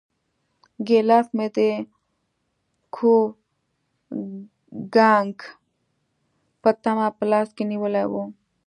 ګیلاس مې د کوګناک په تمه په لاس کې نیولی و.